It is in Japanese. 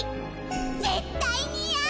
絶対にあう！